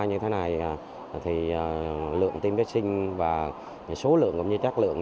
tôi nghĩ nếu chúng ta triển khai như thế này lượng tiêm vắc xin và số lượng cũng như chắc lượng